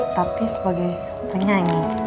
tapi sebagai penyanyi